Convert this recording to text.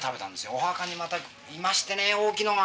お墓にまたいましてね大きいのが。